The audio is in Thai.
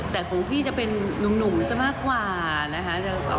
แต่ของพี่จะเป็นนุ่มซะมากกว่านะคะ